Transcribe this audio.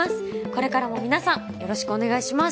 これからも皆さんよろしくお願いします